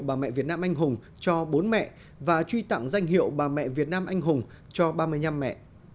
bà mẹ việt nam anh hùng cho bốn mẹ và truy tặng danh hiệu bà mẹ việt nam anh hùng cho ba mươi năm mẹ